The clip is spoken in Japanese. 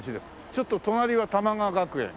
ちょっと隣は玉川学園。